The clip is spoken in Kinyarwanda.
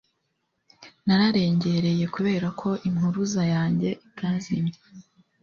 nararengereye kubera ko impuruza yanjye itazimye